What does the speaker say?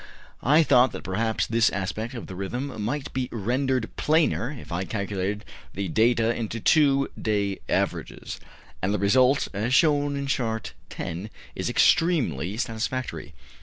I thought that perhaps this aspect of the rhythm might be rendered plainer if I calculated the data into two day averages; and the result, as shown in Chart 10, is extremely satisfactory.